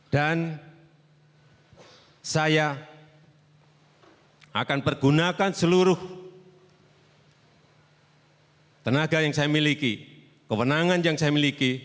dan saya akan pergunakan seluruh tenaga yang saya miliki kewenangan yang saya miliki